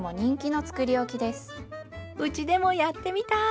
うちでもやってみたい！